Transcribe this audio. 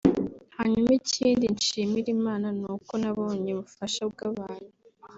Hanyuma ikindi nshimira Imana nuko nabonye ubufasha bw'abantu